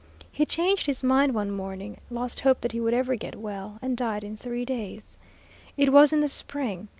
He changed his mind one morning, lost hope that he would ever get well, and died in three days. It was in the spring.